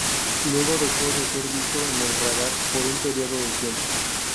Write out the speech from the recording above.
Luego dejó de ser visto en el radar por un periodo de tiempo.